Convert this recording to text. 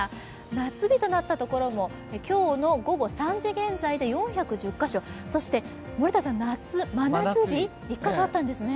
夏日となったところも今日の午後３時現在で４１０カ所、そして夏、真夏日１カ所あったんですね。